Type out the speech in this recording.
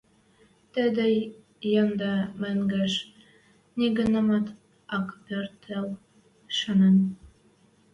Тӹдӹ ӹнде мӹнгеш нигынамат ак пӧртӹл, шанен.